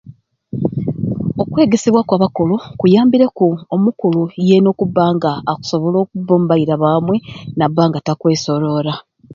Okwegesebwa kwa bakulu kuyambireku omukulu yena kkusobola okuba nga akusobola okuba omu baira bamwei naba nga takwesoroora